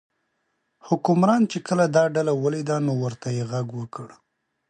حکمران چې کله دا ډله ولیده نو ورته یې غږ وکړ.